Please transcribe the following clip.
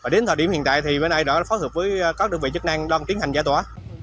đến thời điểm hiện tại thì bên này đã phối hợp với các đơn vị chức năng đang tiến hành giải tỏa